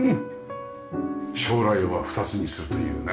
将来は２つにするというね。